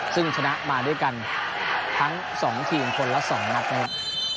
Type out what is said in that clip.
ซึ่งชนะมาด้วยกันทั้ง๒ทีมคนละ๒นัดนะครับ